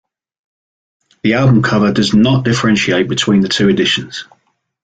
The album cover does not differentiate between the two editions.